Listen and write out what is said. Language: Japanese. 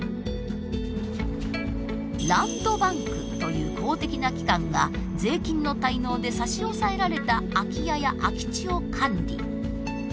ランドバンクという公的な機関が税金の滞納で差し押さえられた空き家や空き地を管理。